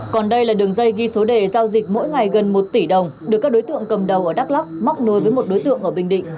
còn đây là đường dây ghi số đề giao dịch mỗi ngày gần một tỷ đồng được các đối tượng cầm đầu ở đắk lóc móc nối với một đối tượng ở bình định